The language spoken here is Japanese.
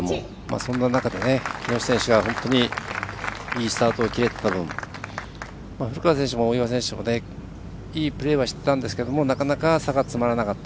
そんな中で木下選手が本当にいいスタートを切れてた分古川選手も大岩選手もいいプレーはしてたんですけどなかなか、差が詰まらなかった。